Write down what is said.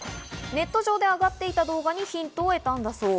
ネット上であがっていた動画にヒントを得たそう。